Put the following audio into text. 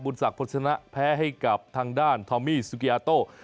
ศักดิ์พลชนะแพ้ให้กับทางด้านทอมมี่สุกิยาโต้